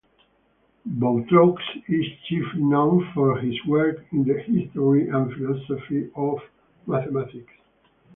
Boutroux is chiefly known for his work in the history and philosophy of mathematics.